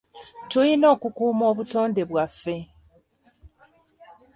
Tulina okukuuma obutonde bwaffe.